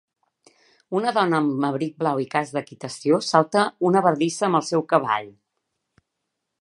Una dona amb abric blau i casc d'equitació salta una bardissa amb el seu cavall.